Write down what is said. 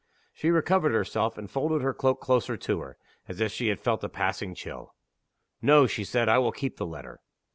She recovered herself, and folded her cloak closer to her, as if she had felt a passing chill. "No," she said; "I will keep the letter."